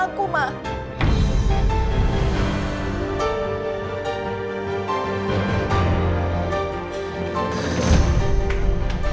aku pengen percaya sama aku